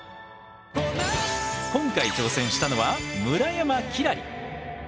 今回挑戦したのは村山輝星！